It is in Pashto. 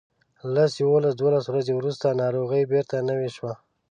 لس یوولس ورځې وروسته ناروغي بیرته نوې شوه.